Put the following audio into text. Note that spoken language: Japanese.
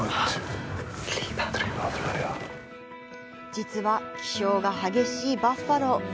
実は気性が激しいバッファロー。